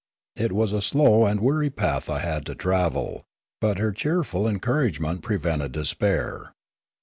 It was a slow and weary path I had to travel ; but her cheerful encourage ment prevented despair.